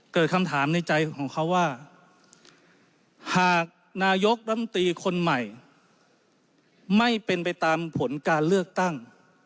เกิดคำถามในใจของเขาว่าหากนายกรัมตีคนใหม่ไม่เป็นไปตามผลการเลือกตั้ง